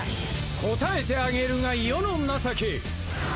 答えてあげるが世の情け。